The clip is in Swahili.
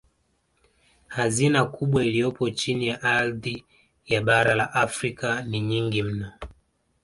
Hazina kubwa iliyopo chini ya ardhi ya bara la Afrika ni nyingi mno